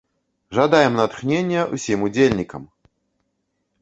Жадаем натхнення ўсім удзельнікам!